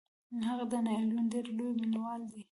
هغه د ناپلیون ډیر لوی مینوال دی.